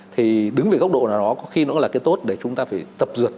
thì đứng về góc độ nào đó có khi nó là cái tốt để chúng ta phải tập dượt